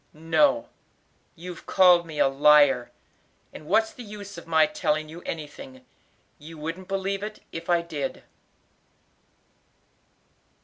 "No, you've called me a liar, and what's the use of my telling you anything? you wouldn't believe it if I did."